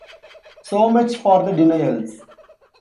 So much for the denials!